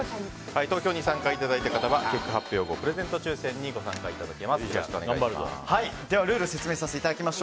投票に参加いただいた方は結果発表後、プレゼント抽選にルール説明させていただきます。